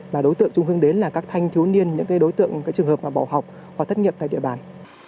mà đối tượng trung hưng đến là các thanh thiếu niên những đối tượng trường hợp bỏ học hoặc thất nghiệp tại địa bàn